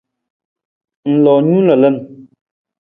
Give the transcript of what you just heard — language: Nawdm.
Ng loo nung lalan.